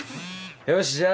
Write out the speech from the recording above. よし。